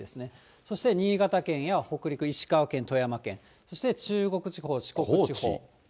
そして新潟県や北陸、石川県、富山県、そして中国地方、四国地方。